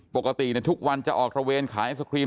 ปกติทุกวันจะออกตระเวนขายไอศครีม